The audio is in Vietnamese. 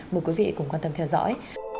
mời quý vị cùng quan tâm theo dõi